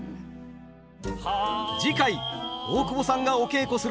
次回大久保さんがお稽古するのは狂言。